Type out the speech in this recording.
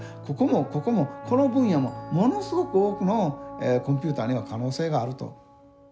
ここもここもこの分野もものすごく多くのコンピューターには可能性があると。